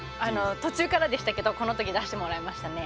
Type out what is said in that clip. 途中からでしたけどこの時出してもらえましたね。